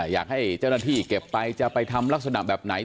อยากให้เจ้าหน้าที่เก็บไปจะไปทำลักษณะแบบไหน